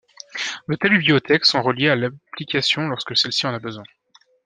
De telles bibliothèques sont reliées à l'application lorsque celle-ci en a besoin.